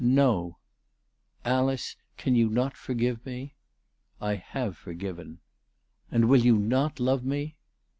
" No !"" Alice, can you not forgive me ?"" I have forgiven." " And will you not love me